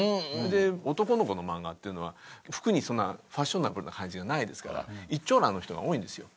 で男の子の漫画っていうのは服にそんなファッショナブルな感じがないですから一張羅の人が多いんですよ。